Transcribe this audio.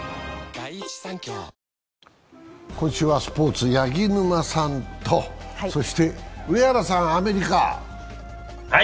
今週はスポーツ、八木沼さんと上原さん、アメリカ。